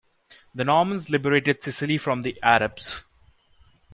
The Normans liberated Sicily from the Arabs.